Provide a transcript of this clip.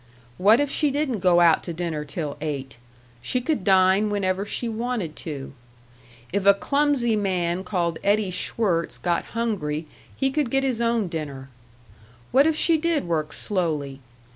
What if she didn't go out to dinner till eight? She could dine whenever she wanted to. If a clumsy man called Eddie Schwirtz got hungry he could get his own dinner. What if she did work slowly?